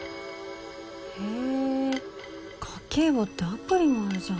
へえ家計簿ってアプリもあるじゃん。